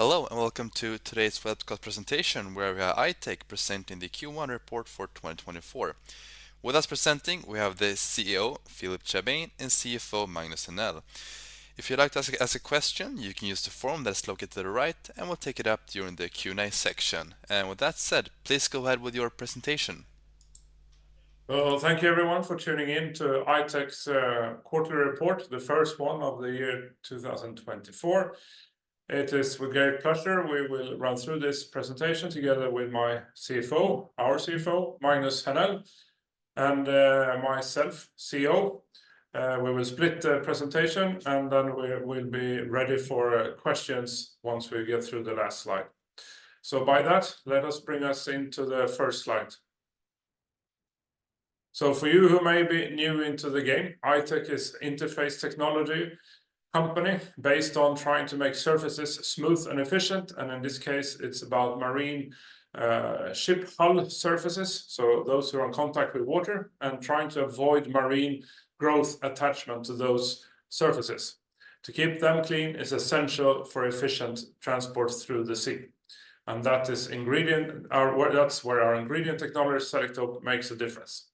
Hello and welcome to today's webcast presentation where we are I-Tech presenting the Q1 report for 2024. With us presenting, we have the CEO Philip Chaabane and CFO Magnus Henell. If you'd like to ask a question, you can use the form that's located to the right and we'll take it up during the Q&A section. With that said, please go ahead with your presentation. Well, thank you everyone for tuning in to I-Tech's quarterly report, the first one of the year 2024. It is with great pleasure we will run through this presentation together with my CFO, our CFO, Magnus Henell, and myself, CEO. We will split the presentation and then we'll be ready for questions once we get through the last slide. So by that, let us bring us into the first slide. So for you who may be new into the game, I-Tech is an interface technology company based on trying to make surfaces smooth and efficient, and in this case it's about marine ship hull surfaces, so those who are in contact with water, and trying to avoid marine growth attachment to those surfaces. To keep them clean is essential for efficient transport through the sea, and that is where our ingredient technology, Selektope, makes a difference.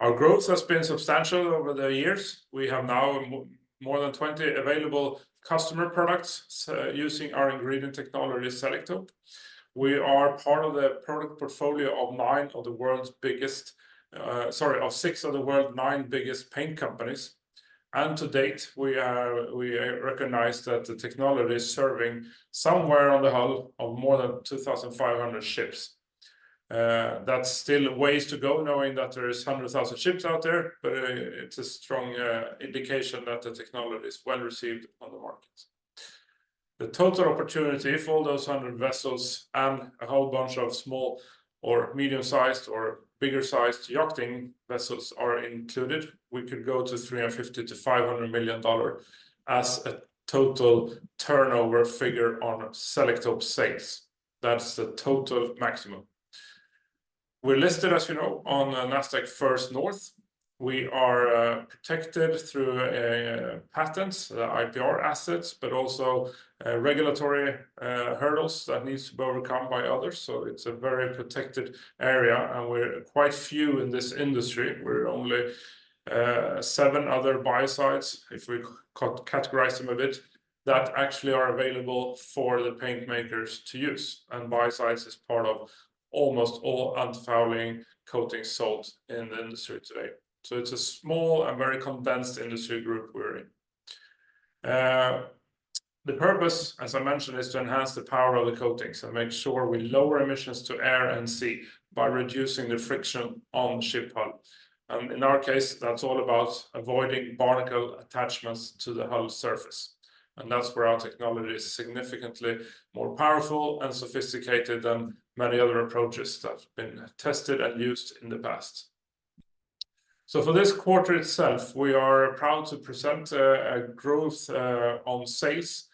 Our growth has been substantial over the years. We have now more than 20 available customer products using our ingredient technology, Selektope. We are part of the product portfolio of nine of the world's biggest, sorry, of six of the world's nine biggest paint companies. And to date, we recognize that the technology is serving somewhere on the hull of more than 2,500 ships. That's still ways to go, knowing that there are 100,000 ships out there, but it's a strong indication that the technology is well received on the markets. The total opportunity, if all those 100 vessels and a whole bunch of small or medium-sized or bigger-sized yachting vessels are included, we could go to $350 million-$500 million as a total turnover figure on Selektope sales. That's the total maximum. We're listed, as you know, on the Nasdaq First North. We are protected through patents, the IPR assets, but also regulatory hurdles that need to be overcome by others. So it's a very protected area, and we're quite few in this industry. We're only seven other biocides, if we categorize them a bit, that actually are available for the paintmakers to use. Biocides are part of almost all antifouling coatings sold in the industry today. So it's a small and very condensed industry group we're in. The purpose, as I mentioned, is to enhance the power of the coatings and make sure we lower emissions to air and sea by reducing the friction on ship hull. In our case, that's all about avoiding barnacle attachments to the hull surface. That's where our technology is significantly more powerful and sophisticated than many other approaches that have been tested and used in the past. So for this quarter itself, we are proud to present a growth on sales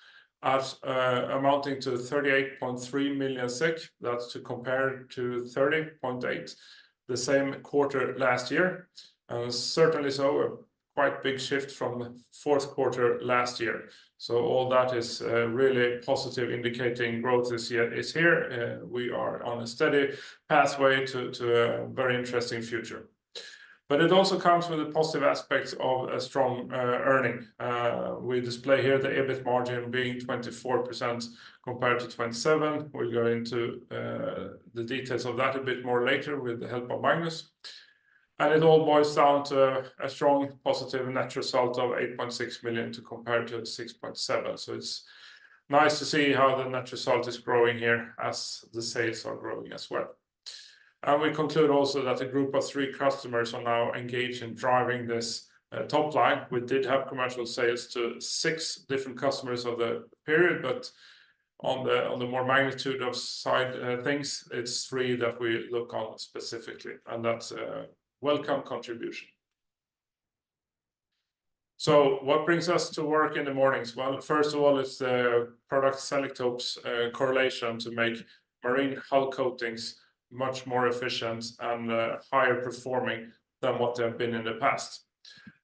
amounting to 38.3 million SEK. That's to compare to 30.8 million, the same quarter last year. And certainly so, a quite big shift from fourth quarter last year. So all that is really positive, indicating growth this year is here. We are on a steady pathway to a very interesting future. But it also comes with the positive aspects of strong earning. We display here the EBIT margin being 24% compared to 27%. We'll go into the details of that a bit more later with the help of Magnus. And it all boils down to a strong positive net result of 8.6 million to compare to 6.7 million. So it's nice to see how the net result is growing here as the sales are growing as well. We conclude also that a group of three customers are now engaged in driving this top line. We did have commercial sales to six different customers of the period, but on the more magnitude of side things, it's three that we look on specifically, and that's a welcome contribution. So what brings us to work in the mornings? Well, first of all, it's the product Selektope's correlation to make marine hull coatings much more efficient and higher performing than what they have been in the past.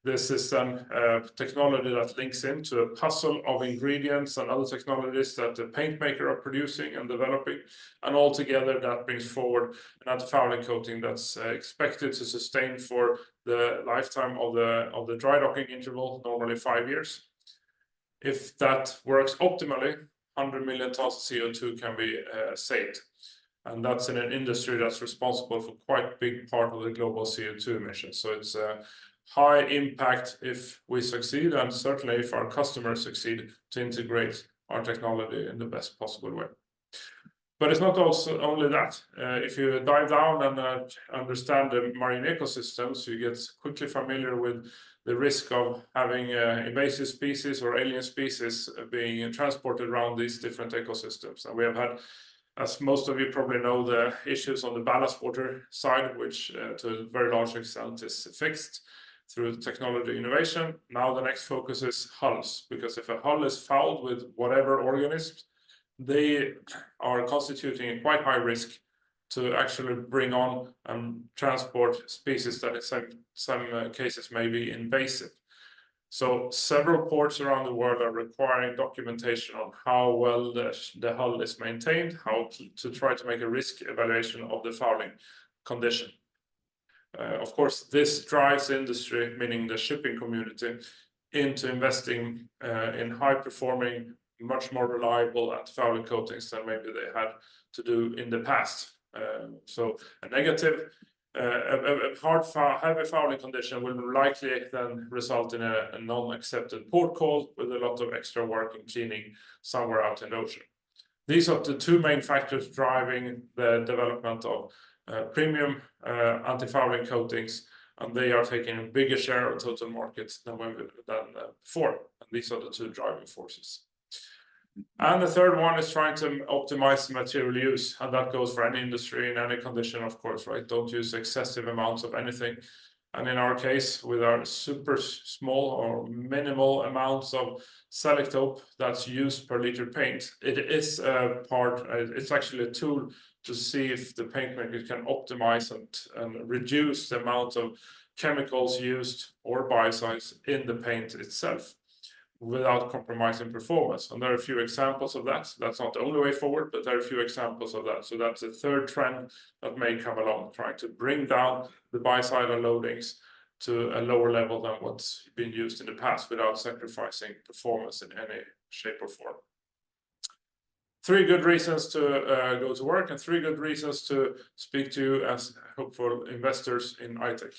This is then a technology that links into a puzzle of ingredients and other technologies that the paintmaker are producing and developing. And altogether, that brings forward an antifouling coating that's expected to sustain for the lifetime of the dry docking interval, normally five years. If that works optimally, 100 million tons of CO2 can be saved. That's in an industry that's responsible for quite a big part of the global CO2 emissions. It's a high impact if we succeed, and certainly if our customers succeed, to integrate our technology in the best possible way. It's not only that. If you dive down and understand the marine ecosystems, you get quickly familiar with the risk of having invasive species or alien species being transported around these different ecosystems. We have had, as most of you probably know, the issues on the ballast water side, which to a very large extent is fixed through technology innovation. Now the next focus is hulls, because if a hull is fouled with whatever organisms, they are constituting a quite high risk to actually bring on and transport species that in some cases may be invasive. So several ports around the world are requiring documentation on how well the hull is maintained, how to try to make a risk evaluation of the fouling condition. Of course, this drives industry, meaning the shipping community, into investing in high-performing, much more reliable antifouling coatings than maybe they had to do in the past. A negative, heavy fouling condition will likely then result in a non-accepted port call with a lot of extra work and cleaning somewhere out in the ocean. These are the two main factors driving the development of premium antifouling coatings, and they are taking a bigger share of total markets than before. These are the two driving forces. The third one is trying to optimize material use, and that goes for any industry in any condition, of course, right? Don't use excessive amounts of anything. In our case, with our super small or minimal amounts of Selektope that's used per liter paint, it is a part, it's actually a tool to see if the paintmaker can optimize and reduce the amount of chemicals used or biocides in the paint itself without compromising performance. There are a few examples of that. That's not the only way forward, but there are a few examples of that. That's a third trend that may come along, trying to bring down the biocidal loadings to a lower level than what's been used in the past without sacrificing performance in any shape or form. Three good reasons to go to work and three good reasons to speak to you as hopeful investors in I-Tech.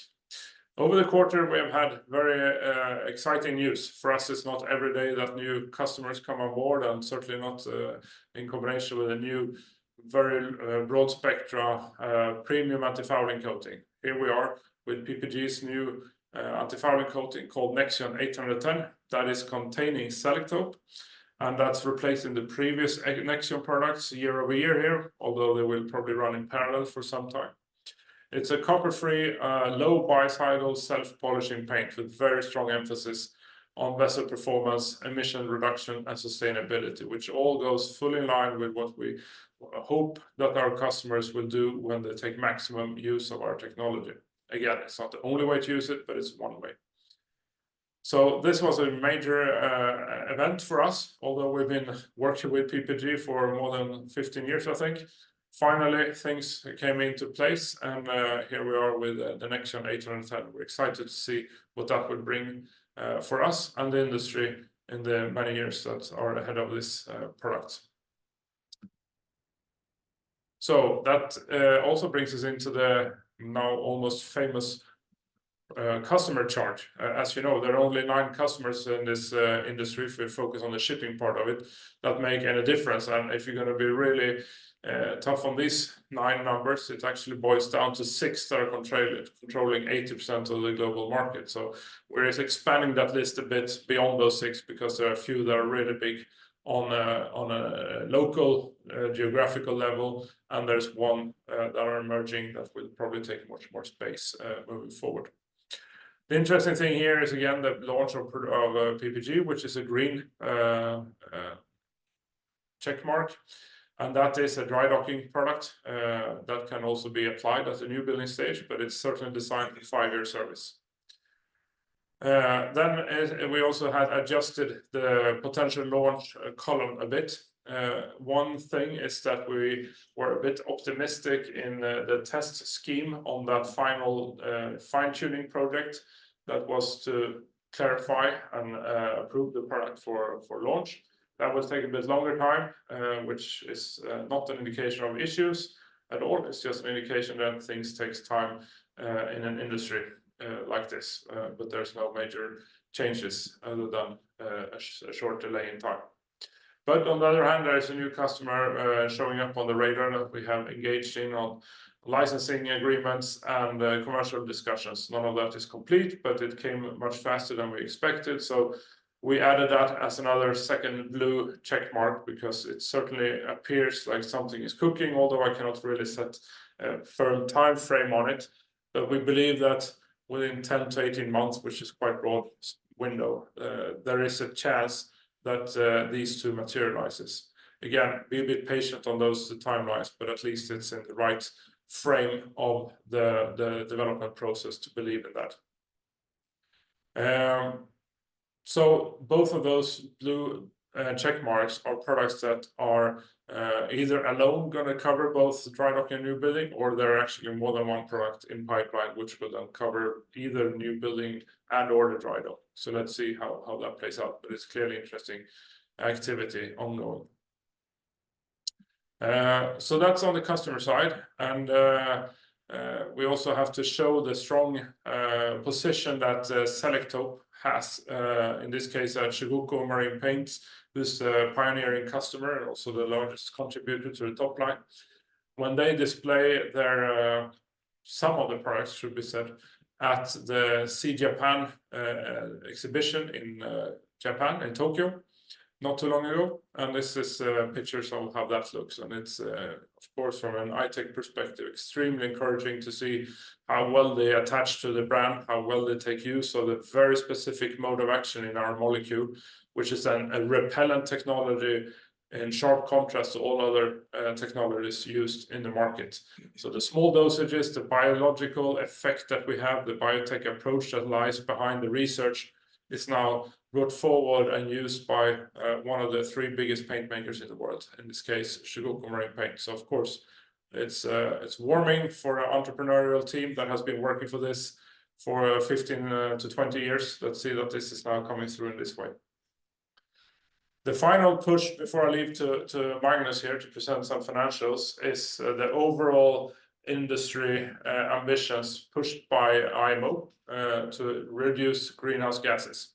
Over the quarter, we have had very exciting news. For us, it's not every day that new customers come on board, and certainly not in combination with a new, very broad-spectrum premium antifouling coating. Here we are with PPG's new antifouling coating called Nexeon 810. That is containing Selektope, and that's replacing the previous Nexeon products year-over-year here, although they will probably run in parallel for some time. It's a copper-free, low biocidal, self-polishing paint with very strong emphasis on vessel performance, emission reduction, and sustainability, which all goes fully in line with what we hope that our customers will do when they take maximum use of our technology. Again, it's not the only way to use it, but it's one way. So this was a major event for us, although we've been working with PPG for more than 15 years, I think. Finally, things came into place, and here we are with the Nexeon 810. We're excited to see what that would bring for us and the industry in the many years that are ahead of this product. So that also brings us into the now almost famous customer chart. As you know, there are only nine customers in this industry if we focus on the shipping part of it that make any difference. And if you're going to be really tough on these nine numbers, it actually boils down to six that are controlling 80% of the global market. So we're expanding that list a bit beyond those six because there are a few that are really big on a local geographical level, and there's one that is emerging that will probably take much more space moving forward. The interesting thing here is, again, the launch of PPG, which is a green checkmark, and that is a dry docking product that can also be applied at the new building stage, but it's certainly designed for 5-year service. Then we also had adjusted the potential launch column a bit. One thing is that we were a bit optimistic in the test scheme on that final fine-tuning project that was to clarify and approve the product for launch. That will take a bit longer time, which is not an indication of issues at all. It's just an indication that things take time in an industry like this, but there's no major changes other than a short delay in time. But on the other hand, there's a new customer showing up on the radar that we have engaged in on licensing agreements and commercial discussions. None of that is complete, but it came much faster than we expected. So we added that as another second blue checkmark because it certainly appears like something is cooking, although I cannot really set a firm time frame on it. But we believe that within 10-18 months, which is quite a broad window, there is a chance that these two materialize. Again, be a bit patient on those timelines, but at least it's in the right frame of the development process to believe in that. So both of those blue checkmarks are products that are either alone going to cover both the dry docking and new building, or there are actually more than one product in pipeline which will then cover either new building and/or the dry dock. So let's see how that plays out, but it's clearly interesting activity ongoing. So that's on the customer side. And we also have to show the strong position that Selektope has, in this case, at Chugoku Marine Paints, this pioneering customer and also the largest contributor to the top line. When they display their some of the products, should be said, at the Sea Japan exhibition in Japan, in Tokyo, not too long ago. And this is pictures I will have that looks. And it's, of course, from an I-Tech perspective, extremely encouraging to see how well they attach to the brand, how well they take use of the very specific mode of action in our molecule, which is then a repellent technology in sharp contrast to all other technologies used in the market. So the small dosages, the biological effect that we have, the biotech approach that lies behind the research is now brought forward and used by one of the three biggest paintmakers in the world, in this case, Chugoku Marine Paints. So, of course, it's rewarding for an entrepreneurial team that has been working for this for 15-20 years. Let's see that this is now coming through in this way. The final push before I leave to Magnus here to present some financials is the overall industry ambitions pushed by IMO to reduce greenhouse gases.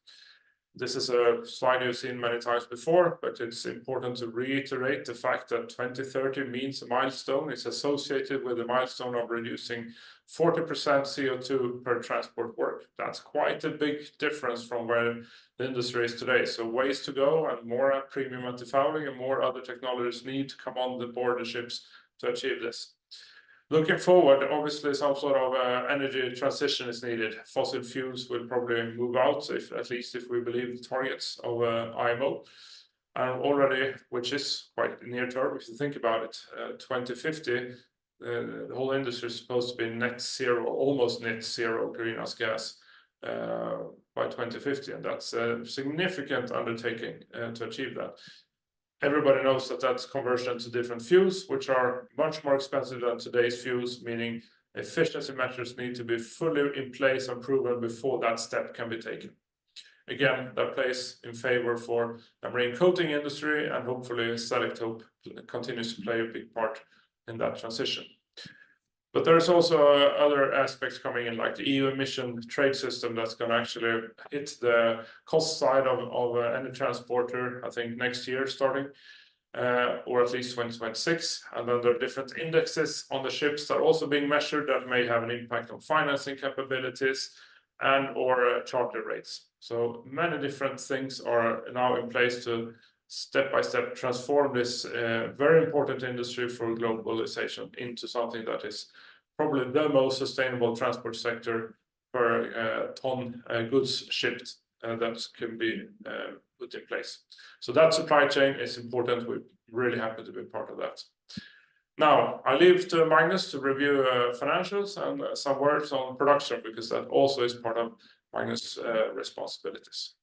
This is a slide you've seen many times before, but it's important to reiterate the fact that 2030 means a milestone. It's associated with a milestone of reducing 40% CO2 per transport work. That's quite a big difference from where the industry is today. So ways to go and more premium antifouling and more other technologies need to come on the board of ships to achieve this. Looking forward, obviously, some sort of energy transition is needed. Fossil fuels will probably move out, at least if we believe the targets of IMO. And already, which is quite near term, if you think about it, 2050, the whole industry is supposed to be net zero, almost net zero greenhouse gas by 2050. And that's a significant undertaking to achieve that. Everybody knows that that's conversion to different fuels, which are much more expensive than today's fuels, meaning efficiency measures need to be fully in place and proven before that step can be taken. Again, that plays in favor for the marine coating industry, and hopefully, Selektope continues to play a big part in that transition. There are also other aspects coming in, like the EU emission trade system that's going to actually hit the cost side of any transporter, I think, next year starting, or at least 2026. Then there are different indexes on the ships that are also being measured that may have an impact on financing capabilities and/or charter rates. Many different things are now in place to step by step transform this very important industry for globalization into something that is probably the most sustainable transport sector per ton goods shipped that can be put in place. That supply chain is important. We're really happy to be part of that. Now, I leave to Magnus to review financials and some words on production because that also is part of Magnus's responsibilities.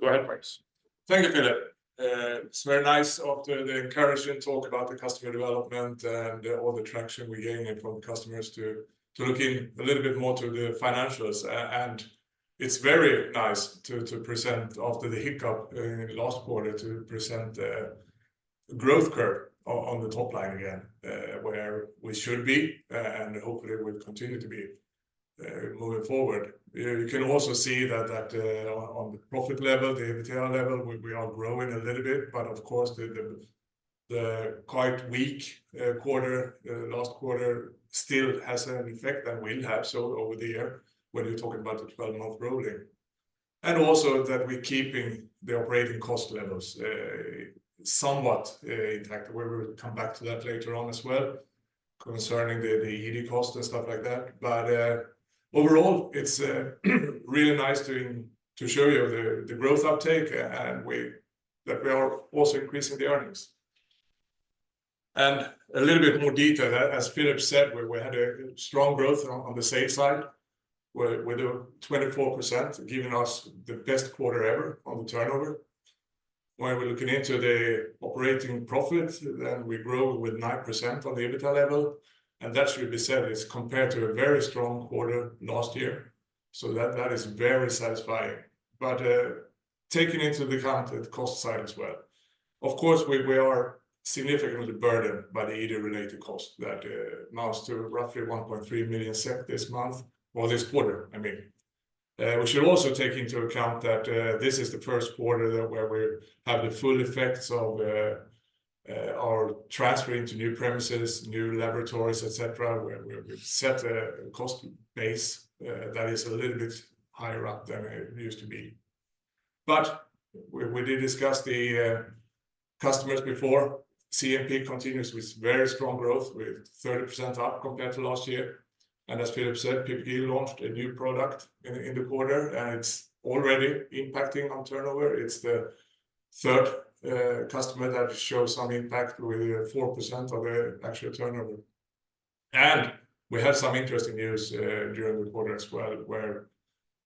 Go ahead, Magnus. Thank you, Philip. It's very nice after the encouraging talk about the customer development and all the traction we're gaining from the customers to look in a little bit more to the financials. And it's very nice to present, after the hiccup in the last quarter, to present the growth curve on the top line again, where we should be, and hopefully we'll continue to be moving forward. You can also see that on the profit level, the EBITDA level, we are growing a little bit. But, of course, the quite weak quarter, last quarter, still has an effect and will have so over the year when you're talking about the 12-month rolling. And also that we're keeping the operating cost levels somewhat intact. We will come back to that later on as well concerning the ED costs and stuff like that. But overall, it's really nice to show you the growth uptake and that we are also increasing the earnings. A little bit more detail, as Philip said, we had a strong growth on the sales side with 24%, giving us the best quarter ever on the turnover. When we're looking into the operating profit, then we grow with 9% on the EBITDA level. That should be said is compared to a very strong quarter last year. That is very satisfying, but taken into account the cost side as well. Of course, we are significantly burdened by the ED-related cost that amounts to roughly 1.3 million this month or this quarter, I mean. We should also take into account that this is the first quarter where we have the full effects of our transfer into new premises, new laboratories, etc., where we've set a cost base that is a little bit higher up than it used to be. But we did discuss the customers before. CMP continues with very strong growth, with 30% up compared to last year. And as Philip said, PPG launched a new product in the quarter, and it's already impacting on turnover. It's the third customer that shows some impact with 4% of the actual turnover. And we have some interesting news during the quarter as well, where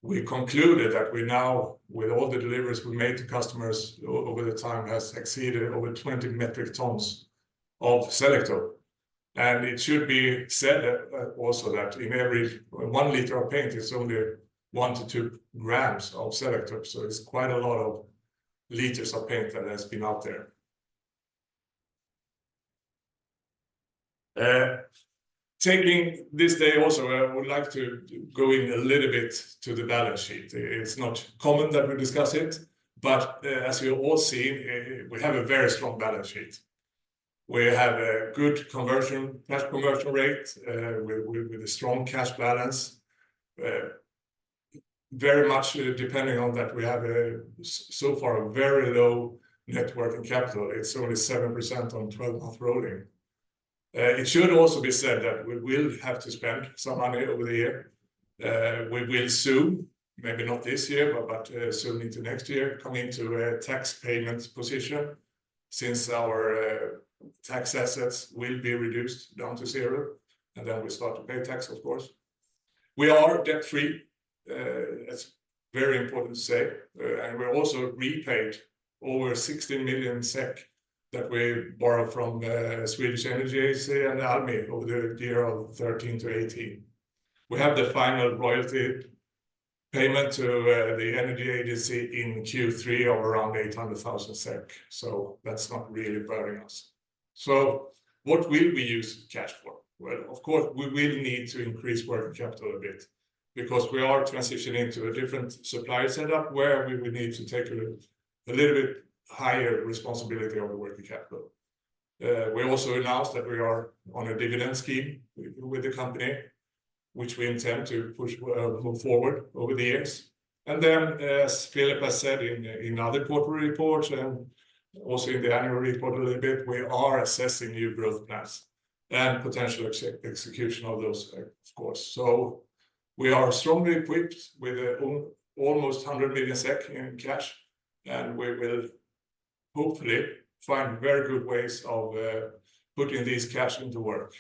we concluded that we now, with all the deliveries we made to customers over the time, have exceeded over 20 metric tons of Selektope. It should be said also that in every one liter of paint, it's only one to two grams of Selektope. So it's quite a lot of liters of paint that has been out there. Taking this day also, I would like to go in a little bit to the balance sheet. It's not common that we discuss it, but as you've all seen, we have a very strong balance sheet. We have a good cash conversion rate with a strong cash balance. Very much depending on that, we have so far a very low net working capital. It's only 7% on 12-month rolling. It should also be said that we will have to spend some money over the year. We will soon, maybe not this year, but soon into next year, come into a tax payment position since our tax assets will be reduced down to zero, and then we start to pay tax, of course. We are debt-free. That's very important to say. We also repaid over 16 million SEK that we borrowed from Swedish Energy Agency and Almi over the years of 2013 to 2018. We have the final royalty payment to the Energy Agency in Q3 of around 800,000 SEK. That's not really burning us. What will we use cash for? Well, of course, we will need to increase working capital a bit because we are transitioning to a different supplier setup where we will need to take a little bit higher responsibility of the working capital. We also announced that we are on a dividend scheme with the company, which we intend to push forward over the years. And then, as Philip has said in other quarterly reports and also in the annual report a little bit, we are assessing new growth plans and potential execution of those, of course. So we are strongly equipped with almost 100 million SEK in cash, and we will hopefully find very good ways of putting this cash into work.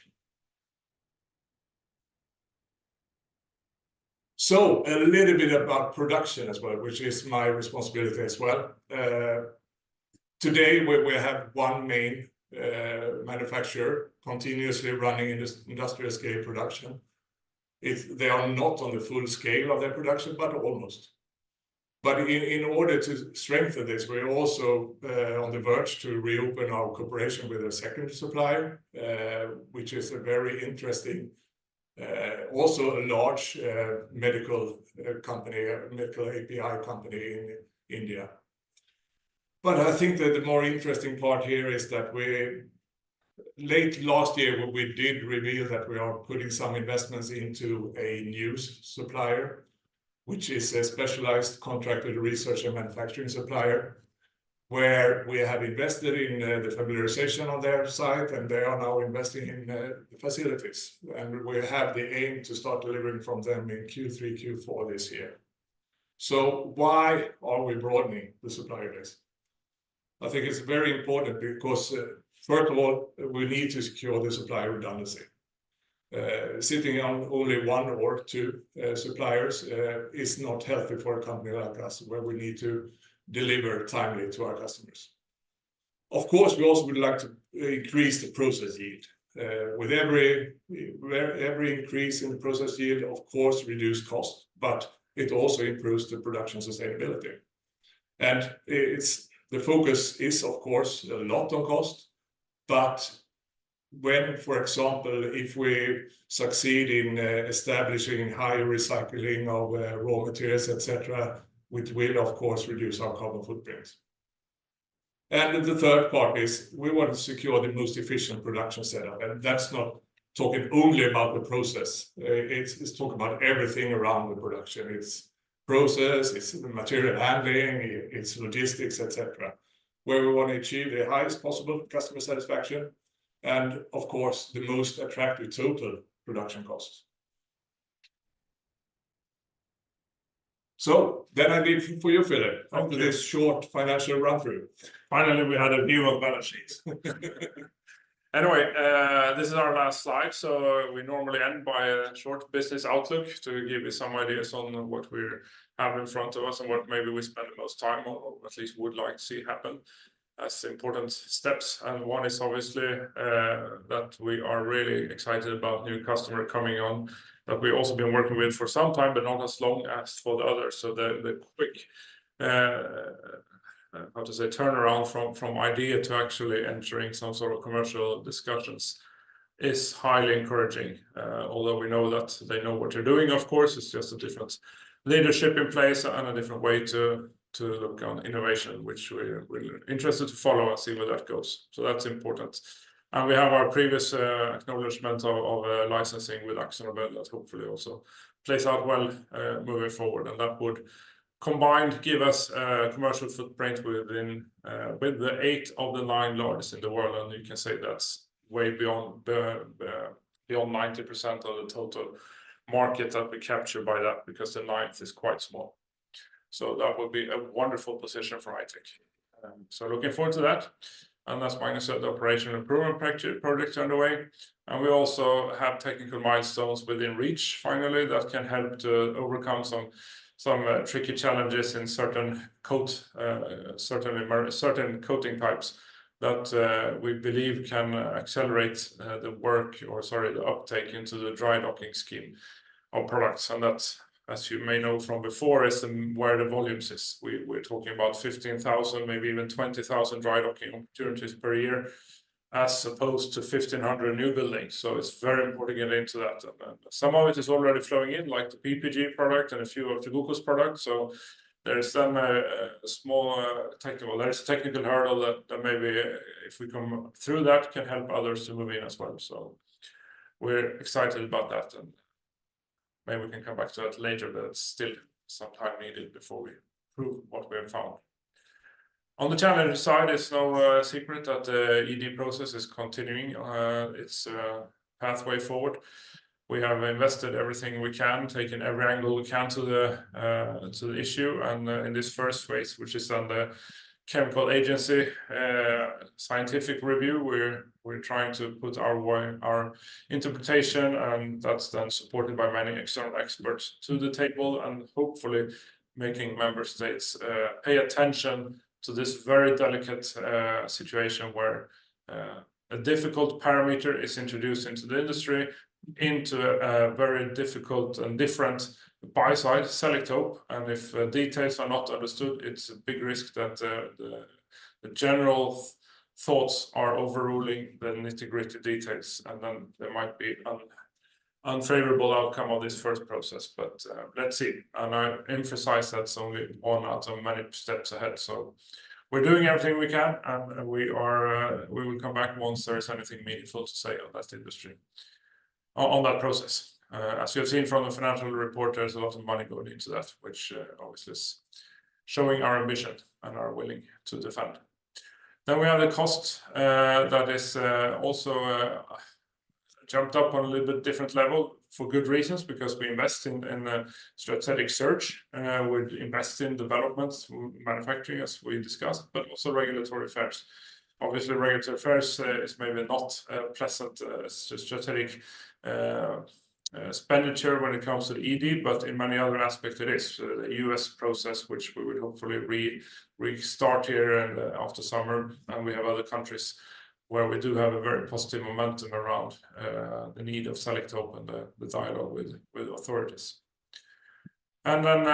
So a little bit about production as well, which is my responsibility as well. Today, we have one main manufacturer continuously running industrial-scale production. They are not on the full scale of their production, but almost. But in order to strengthen this, we're also on the verge to reopen our cooperation with a second supplier, which is very interesting, also a large medical company, a medical API company in India. But I think that the more interesting part here is that late last year, we did reveal that we are putting some investments into a new supplier, which is a specialized contracted research and manufacturing supplier, where we have invested in the familiarization on their side, and they are now investing in the facilities. We have the aim to start delivering from them in Q3, Q4 this year. So why are we broadening the supplier base? I think it's very important because, first of all, we need to secure the supplier redundancy. Sitting on only one or two suppliers is not healthy for a company like us, where we need to deliver timely to our customers. Of course, we also would like to increase the process yield. With every increase in the process yield, of course, reduce cost, but it also improves the production sustainability. The focus is, of course, a lot on cost. But when, for example, if we succeed in establishing higher recycling of raw materials, etc., it will, of course, reduce our carbon footprint. The third part is we want to secure the most efficient production setup. That's not talking only about the process. It's talking about everything around the production. It's process, it's material handling, it's logistics, etc., where we want to achieve the highest possible customer satisfaction and, of course, the most attractive total production costs. So then I leave for you, Philip, after this short financial run-through. Finally, we had a view of balance sheets. Anyway, this is our last slide. We normally end by a short business outlook to give you some ideas on what we have in front of us and what maybe we spend the most time on or at least would like to see happen as important steps. One is obviously that we are really excited about new customers coming on that we've also been working with for some time, but not as long as for the others. The quick, how to say, turnaround from idea to actually entering some sort of commercial discussions is highly encouraging, although we know that they know what you're doing, of course. It's just a different leadership in place and a different way to look on innovation, which we're interested to follow and see where that goes. That's important. We have our previous acknowledgment of licensing with AkzoNobel that hopefully also plays out well moving forward. And that would combine to give us a commercial footprint with the 8 of the 9 largest in the world. And you can say that's way beyond 90% of the total market that we capture by that because the ninth is quite small. So that would be a wonderful position for I-Tech. So looking forward to that. And as Magnus said, the operational improvement project is underway. And we also have technical milestones within reach, finally, that can help to overcome some tricky challenges in certain coating types that we believe can accelerate the work, or sorry, the uptake into the dry docking scheme of products. And that's, as you may know from before, where the volumes is. We're talking about 15,000, maybe even 20,000 dry docking opportunities per year, as opposed to 1,500 new buildings. So it's very important to get into that. And some of it is already flowing in, like the PPG product and a few of the Chugoku's products. So there is a technical hurdle that maybe if we come through that can help others to move in as well. So we're excited about that. And maybe we can come back to that later, but it's still some time needed before we prove what we have found. On the challenge side, it's no secret that the ED process is continuing. It's a pathway forward. We have invested everything we can, taken every angle we can to the issue. In this first phase, which is then the Chemical Agency scientific review, we're trying to put our interpretation, and that's then supported by many external experts, to the table and hopefully making member states pay attention to this very delicate situation where a difficult parameter is introduced into the industry into a very difficult and different biocide, Selektope. And if details are not understood, it's a big risk that the general thoughts are overruling the nitty-gritty details. Then there might be an unfavorable outcome of this first process. But let's see. I emphasize that's only one out of many steps ahead. We're doing everything we can, and we will come back once there is anything meaningful to say on that industry, on that process. As you have seen from the financial report, there's a lot of money going into that, which obviously is showing our ambition and our willingness to defend. Then we have the cost that is also jumped up on a little bit different level for good reasons because we invest in strategic search. We invest in developments, manufacturing, as we discussed, but also regulatory affairs. Obviously, regulatory affairs is maybe not a pleasant strategic expenditure when it comes to the ED, but in many other aspects, it is. The U.S. process, which we would hopefully restart here after summer, and we have other countries where we do have a very positive momentum around the need of Selektope and the dialogue with authorities. And then,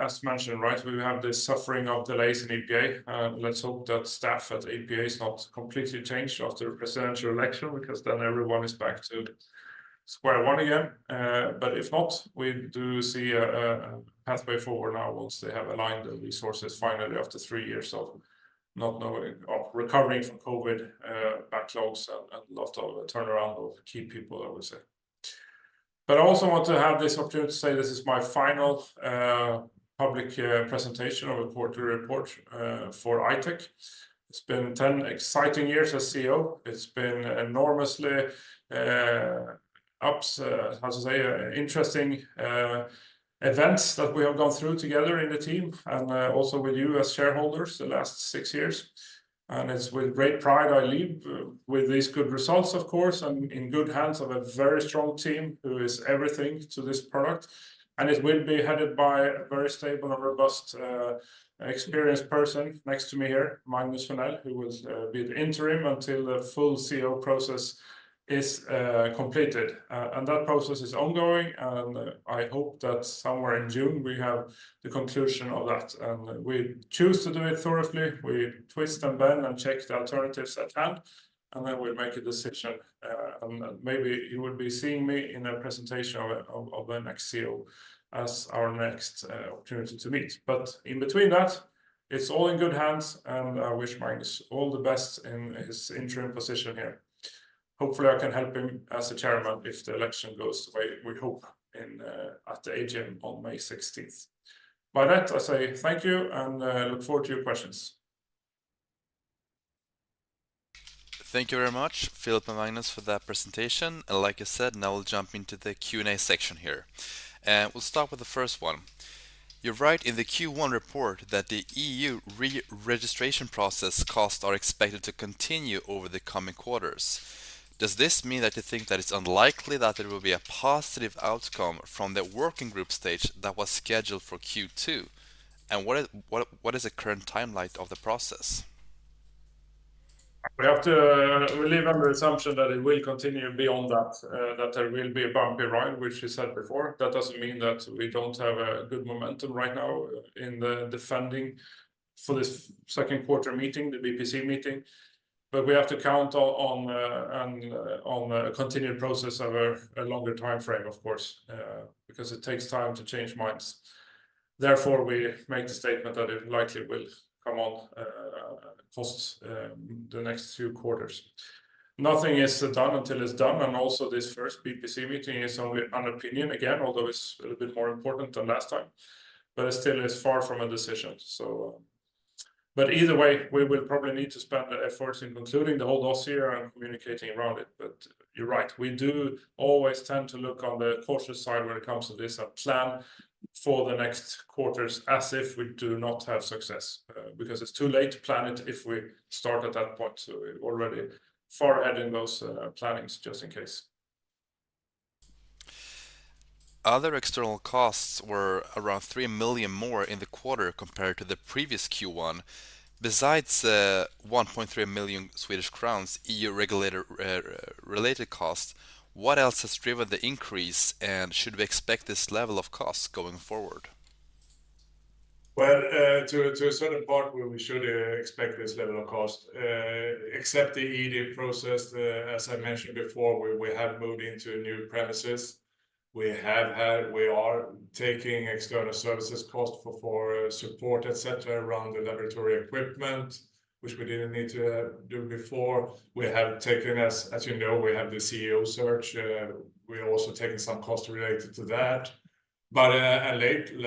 as mentioned, right, we have the suffering of delays in EPA. Let's hope that staff at EPA is not completely changed after the presidential election because then everyone is back to square one again. But if not, we do see a pathway forward now once they have aligned the resources finally after three years of recovering from COVID backlogs and a lot of turnaround of key people, I would say. But I also want to have this opportunity to say this is my final public presentation of a quarterly report for I-Tech. It's been 10 exciting years as CEO. It's been enormously ups, how to say, interesting events that we have gone through together in the team and also with you as shareholders the last six years. And it's with great pride I leave with these good results, of course, and in good hands of a very strong team who is everything to this product. It will be headed by a very stable and robust experienced person next to me here, Magnus Henell, who will be the interim until the full CEO process is completed. That process is ongoing. I hope that somewhere in June, we have the conclusion of that. We choose to do it thoroughly. We twist and bend and check the alternatives at hand. Then we'll make a decision. Maybe you will be seeing me in a presentation of the next CEO as our next opportunity to meet. In between that, it's all in good hands. I wish Magnus all the best in his interim position here. Hopefully, I can help him as a chairman if the election goes the way we hope at the AGM on May 16th. By that, I say thank you and look forward to your questions. Thank you very much, Philip and Magnus, for that presentation. Like I said, now we'll jump into the Q&A section here. We'll start with the first one. You write in the Q1 report that the EU re-registration process costs are expected to continue over the coming quarters. Does this mean that you think that it's unlikely that there will be a positive outcome from the working group stage that was scheduled for Q2? And what is the current timeline of the process? We have to live under the assumption that it will continue beyond that, that there will be a bumpy ride, which you said before. That doesn't mean that we don't have a good momentum right now in the pending for this second quarter meeting, the BPC meeting. But we have to count on a continued process over a longer time frame, of course, because it takes time to change minds. Therefore, we make the statement that it likely will come at costs the next few quarters. Nothing is done until it's done. And also this first BPC meeting is only an opinion, again, although it's a little bit more important than last time. But it still is far from a decision. But either way, we will probably need to spend the efforts in concluding the whole dossier and communicating around it. But you're right. We do always tend to look on the cautious side when it comes to this and plan for the next quarters as if we do not have success, because it's too late to plan it if we start at that point, already far ahead in those plannings, just in case. Other external costs were around 3 million more in the quarter compared to the previous Q1. Besides 1.3 million Swedish crowns, EU regulator-related costs, what else has driven the increase? And should we expect this level of costs going forward? Well, to a certain part, we should expect this level of cost. Except the ED process, as I mentioned before, we have moved into new premises. We are taking external services costs for support, etc., around the laboratory equipment, which we didn't need to do before. We have taken, as you know, we have the CEO search. We're also taking some costs related to that. But lately,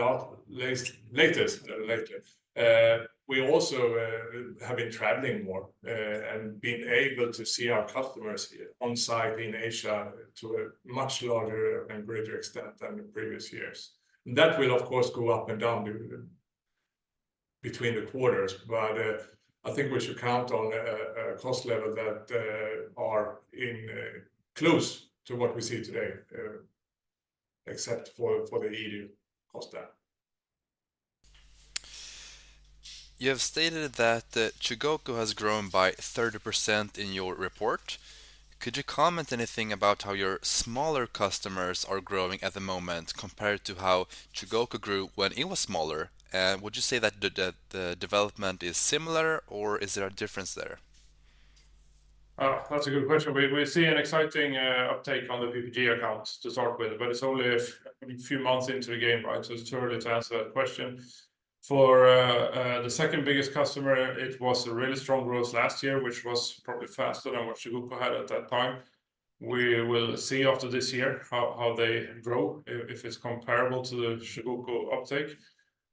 we also have been traveling more and been able to see our customers on site in Asia to a much larger and greater extent than previous years. And that will, of course, go up and down between the quarters. But I think we should count on a cost level that is close to what we see today, except for the ED cost there. You have stated that Chugoku has grown by 30% in your report. Could you comment anything about how your smaller customers are growing at the moment compared to how Chugoku grew when it was smaller? And would you say that the development is similar, or is there a difference there? That's a good question. We see an exciting uptake on the PPG account to start with, but it's only a few months into the game, right? So it's too early to answer that question. For the second biggest customer, it was a really strong growth last year, which was probably faster than what Chugoku had at that time. We will see after this year how they grow, if it's comparable to the Chugoku uptake.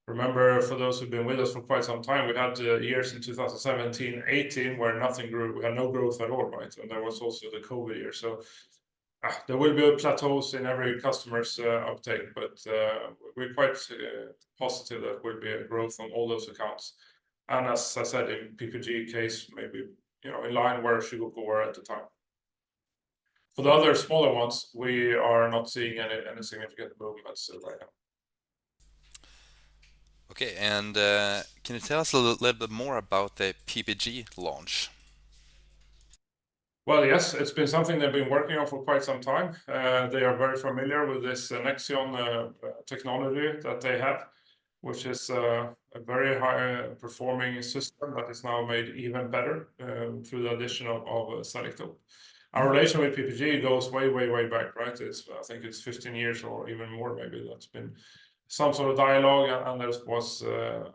Remember, for those who've been with us for quite some time, we had years in 2017, 2018, where nothing grew. We had no growth at all, right? And there was also the COVID year. So there will be a plateau in every customer's uptake. But we're quite positive that there will be a growth on all those accounts. And as I said, in PPG case, maybe in line where Chugoku were at the time. For the other smaller ones, we are not seeing any significant movements right now. Okay. And can you tell us a little bit more about the PPG launch? Well, yes. It's been something they've been working on for quite some time. They are very familiar with this Nexeon technology that they have, which is a very high-performing system that is now made even better through the addition of Selektope. Our relation with PPG goes way, way, way back, right? I think it's 15 years or even more, maybe, that's been some sort of dialogue. And there was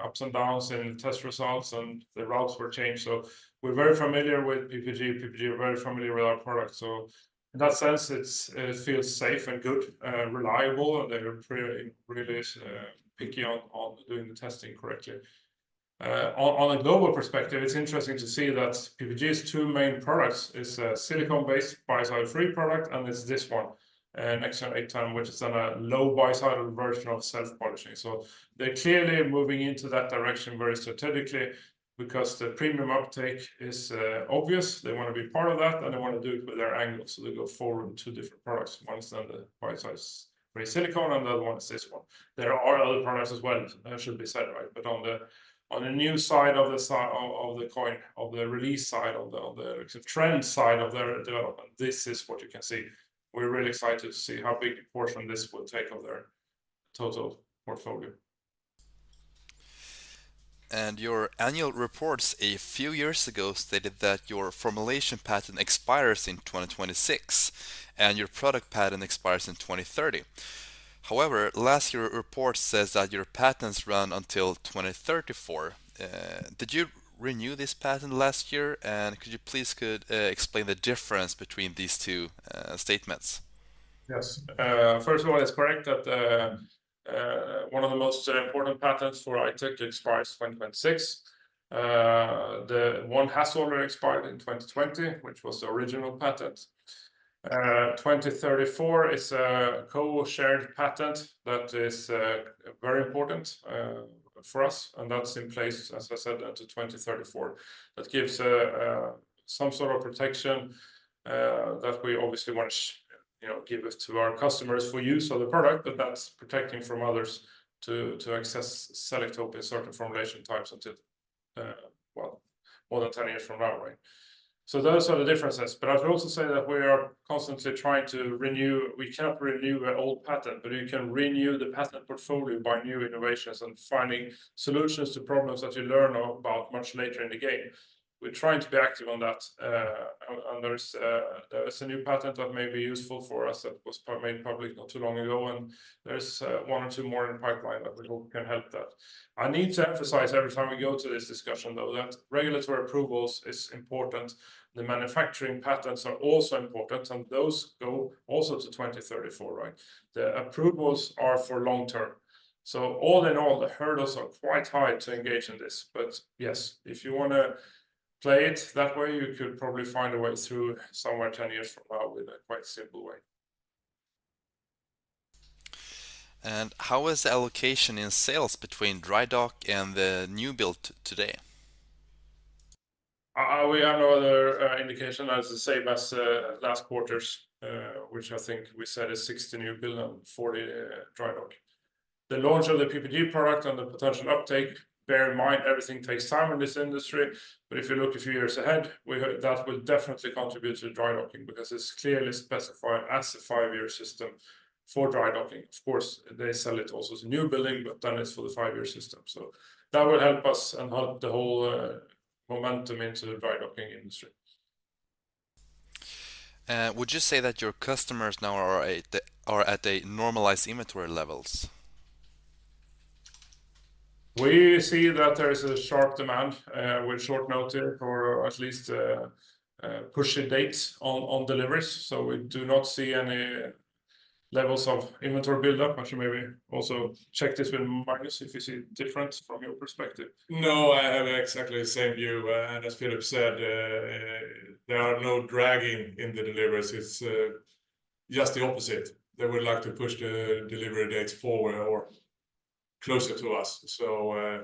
ups and downs in test results, and the routes were changed. So we're very familiar with PPG. PPG are very familiar with our product. So in that sense, it feels safe and good, reliable, and they're really picky on doing the testing correctly. On a global perspective, it's interesting to see that PPG's two main products are a silicone-based biocide-free product, and it's this one, Nexeon 810, which is then a low biocidal version of self-polishing. So they're clearly moving into that direction very strategically because the premium uptake is obvious. They want to be part of that, and they want to do it with their angle. So they go forward with two different products. One is then the biocide-free silicone, and the other one is this one. There are other products as well, should be said, right? But on the new side of the coin, of the release side, of the trend side of their development, this is what you can see. We're really excited to see how big a portion this will take of their total portfolio. Your annual reports a few years ago stated that your formulation patent expires in 2026 and your product patent expires in 2030. However, last year, your report says that your patents run until 2034. Did you renew this patent last year? Could you please explain the difference between these two statements? Yes. First of all, it's correct that one of the most important patents for I-Tech expires 2026. The one how shall I say expired in 2020, which was the original patent. 2034 is a co-shared patent that is very important for us. That's in place, as I said, until 2034. That gives some sort of protection that we obviously want to give to our customers for use of the product. But that's protecting from others to access Selektope in certain formulation types until, well, more than 10 years from now, right? So those are the differences. I should also say that we are constantly trying to renew. We cannot renew an old patent, but you can renew the patent portfolio by new innovations and finding solutions to problems that you learn about much later in the game. We're trying to be active on that. There is a new patent that may be useful for us that was made public not too long ago. There is one or two more in the pipeline that we hope can help that. I need to emphasize every time we go to this discussion, though, that regulatory approvals are important. The manufacturing patents are also important. Those go also to 2034, right? The approvals are for long term. So all in all, the hurdles are quite high to engage in this. But yes, if you want to play it that way, you could probably find a way through somewhere 10 years from now with a quite simple way. How is the allocation in sales between Drydock and the new build today? We have no other indication, as I say, as last quarters, which I think we said is 60 new build and 40 dry dock. The launch of the PPG product and the potential uptake, bear in mind, everything takes time in this industry. But if you look a few years ahead, that will definitely contribute to dry docking because it's clearly specified as a five-year system for dry docking. Of course, they sell it also as a new building, but then it's for the five-year system. So that will help us and help the whole momentum into the dry docking industry. Would you say that your customers now are at normalized inventory levels? We see that there is a sharp demand. We'll shorten it or at least push a date on deliveries. So we do not see any levels of inventory buildup. I should maybe also check this with Magnus if you see it different from your perspective. No, I have exactly the same view. And as Philip said, there are no dragging in the deliveries. It's just the opposite. They would like to push the delivery dates forward or closer to us. So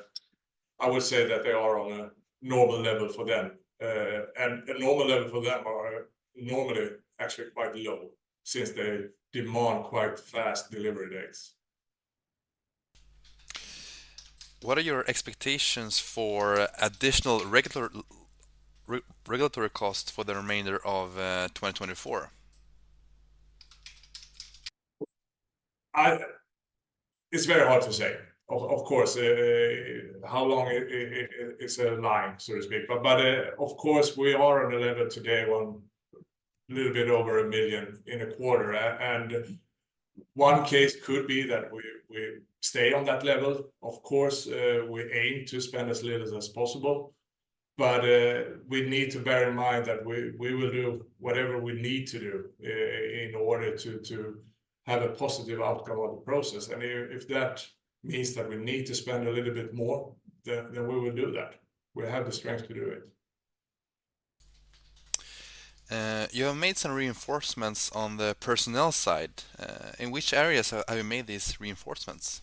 I would say that they are on a normal level for them. And a normal level for them are normally actually quite low since they demand quite fast delivery dates. What are your expectations for additional regulatory costs for the remainder of 2024? It's very hard to say, of course. How long is a line, so to speak? But of course, we are on a level today of a little bit over 1 million in a quarter. And one case could be that we stay on that level. Of course, we aim to spend as little as possible. But we need to bear in mind that we will do whatever we need to do in order to have a positive outcome of the process. And if that means that we need to spend a little bit more, then we will do that. We have the strength to do it. You have made some reinforcements on the personnel side. In which areas have you made these reinforcements?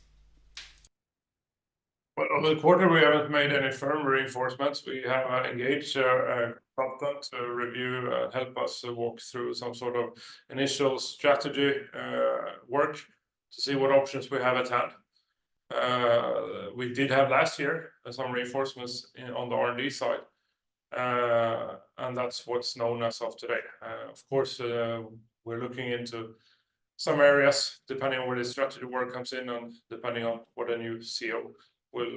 Well, over the quarter, we haven't made any firm reinforcements. We have engaged a consultant to review and help us walk through some sort of initial strategy work to see what options we have at hand. We did have last year some reinforcements on the R&D side. That's what's known as of today. Of course, we're looking into some areas depending on where the strategy work comes in and depending on what a new CEO will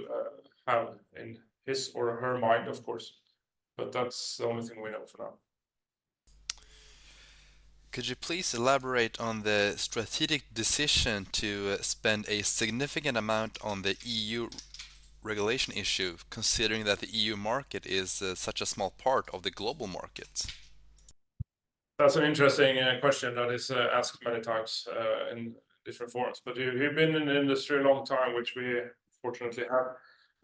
have in his or her mind, of course. But that's the only thing we know for now. Could you please elaborate on the strategic decision to spend a significant amount on the EU regulation issue, considering that the EU market is such a small part of the global market? That's an interesting question that is asked many times in different forums. But you've been in the industry a long time, which we fortunately have.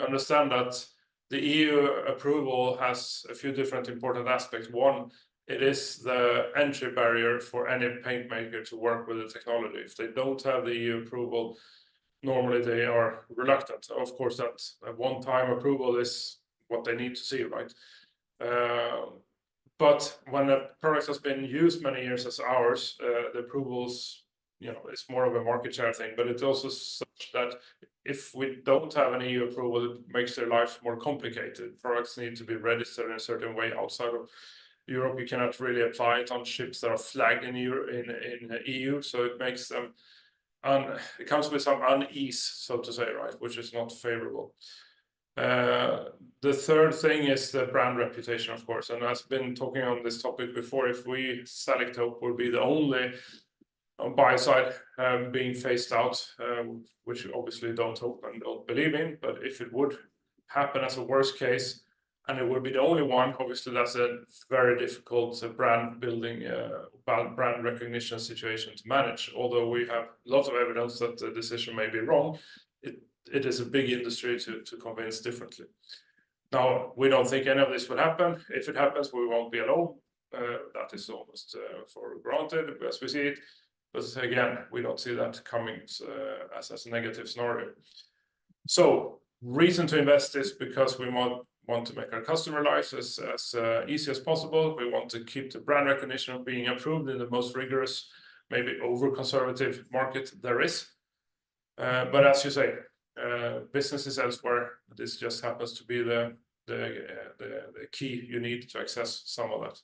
Understand that the EU approval has a few different important aspects. One, it is the entry barrier for any paintmaker to work with the technology. If they don't have the EU approval, normally, they are reluctant. Of course, that one-time approval is what they need to see, right? But when a product has been used many years as ours, the approvals are more of a market share thing. But it's also such that if we don't have an EU approval, it makes their lives more complicated. Products need to be registered in a certain way outside of Europe. You cannot really apply it on ships that are flagged in the EU. So it comes with some unease, so to say, right, which is not favorable. The third thing is the brand reputation, of course. I've been talking on this topic before. If Selektope would be the only biocide being phased out, which you obviously don't hope and don't believe in. But if it would happen as a worst case and it would be the only one, obviously, that's a very difficult brand-building, brand recognition situation to manage. Although we have lots of evidence that the decision may be wrong, it is a big industry to convince differently. Now, we don't think any of this will happen. If it happens, we won't be alone. That is almost for granted as we see it. But again, we don't see that coming as a negative scenario. Reason to invest is because we want to make our customer lives as easy as possible. We want to keep the brand recognition of being approved in the most rigorous, maybe over-conservative market there is. But as you say, businesses elsewhere, this just happens to be the key you need to access some of that.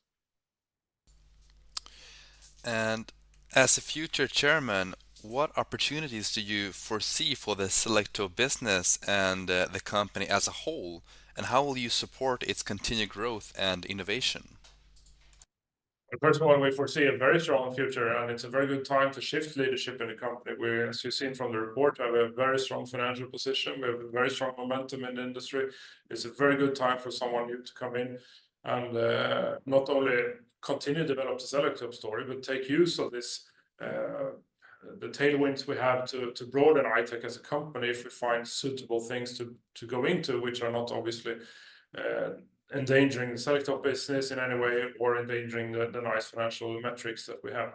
As a future chairman, what opportunities do you foresee for the Selektope business and the company as a whole? And how will you support its continued growth and innovation? First of all, we foresee a very strong future. It's a very good time to shift leadership in the company. As you've seen from the report, we have a very strong financial position. We have a very strong momentum in the industry. It's a very good time for someone new to come in and not only continue to develop the Selektope story, but take use of the tailwinds we have to broaden I-Tech as a company if we find suitable things to go into, which are not obviously endangering the Selektope business in any way or endangering the nice financial metrics that we have.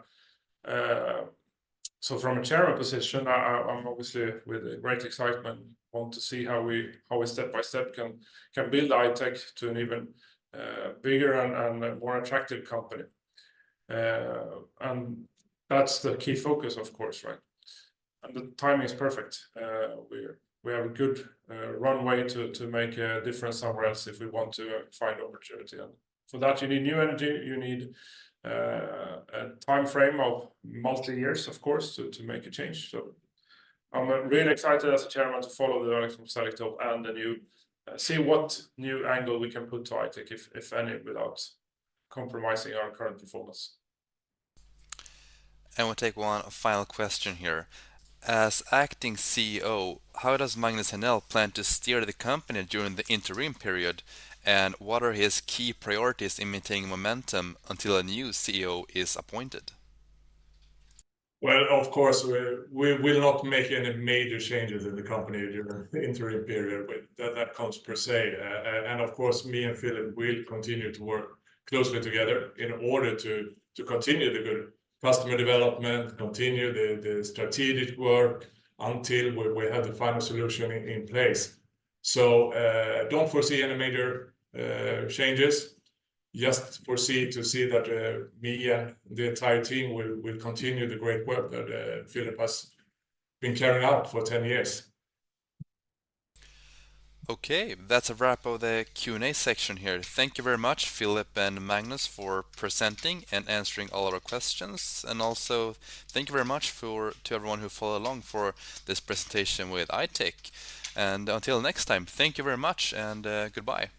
So from a chairman position, I'm obviously with great excitement. I want to see how we step by step can build I-Tech to an even bigger and more attractive company. That's the key focus, of course, right? The timing is perfect. We have a good runway to make a difference somewhere else if we want to find opportunity. And for that, you need new energy. You need a time frame of multi-years, of course, to make a change. So I'm really excited as a chairman to follow the era of Selektope and see what new angle we can put to I-Tech, if any, without compromising our current performance. We'll take one final question here. As acting CEO, how does Magnus Henell plan to steer the company during the interim period? What are his key priorities in maintaining momentum until a new CEO is appointed? Well, of course, we will not make any major changes in the company during the interim period. That comes per se. And of course, me and Philip will continue to work closely together in order to continue the good customer development, continue the strategic work until we have the final solution in place. So don't foresee any major changes. Just foresee to see that me and the entire team will continue the great work that Philip has been carrying out for 10 years. Okay. That's a wrap of the Q&A section here. Thank you very much, Philip and Magnus, for presenting and answering all our questions. Also, thank you very much to everyone who followed along for this presentation with I-Tech. Until next time, thank you very much and goodbye.